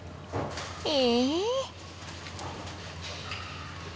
え！？